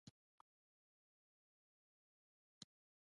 د افغانستان د اقتصادي پرمختګ لپاره پکار ده چې درمل جوړ شي.